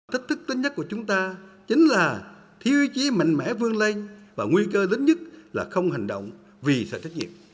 thách thức tốt nhất của chúng ta chính là thiêu chí mạnh mẽ vương lây và nguy cơ tốt nhất là không hành động vì sợi thách nhiệm